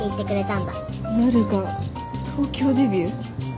なるが東京デビュー。